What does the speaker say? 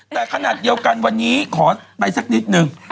แต่ขนาดเดียวกันวันนี้ขอไปสักนิดนึง